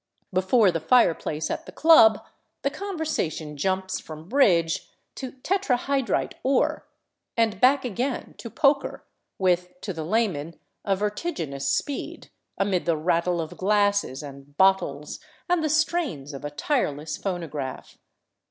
Before the fireplace at the club the conversation jumps from " bridge " to tetrahydrite ore, and back again to poker with, to the layman, a vertiginous speed, amid the rattle of glasses and bottles and the strains of a tireless phonograph.